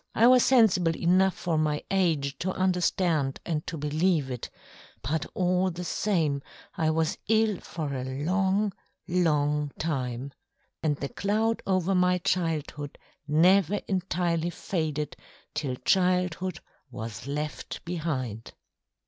I was sensible enough for my age to understand and to believe it, but all the same I was ill for a long, long time. And the cloud over my childhood never entirely faded till childhood was left behind.